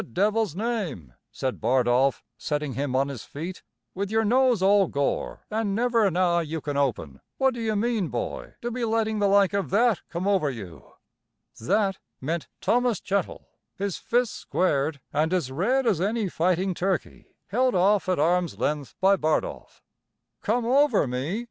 the tapster at the tavern"] "In the devil's name," said Bardolph, setting him on his feet, "with your nose all gore an' never an eye you can open what do you mean, boy, to be letting the like of that come over you?" "That" meant Thomas Chettle, his fists squared, and as red as any fighting turkey, held off at arm's length by Bardolph. "Come over me!"